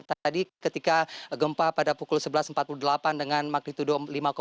tadi ketika gempa pada pukul sebelas empat puluh delapan dengan magnitudo lima